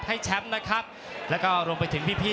รอคะแนนจากอาจารย์สมาร์ทจันทร์คล้อยสักครู่หนึ่งนะครับ